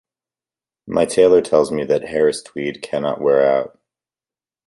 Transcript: My tailor tells me that Harris tweed cannot wear out.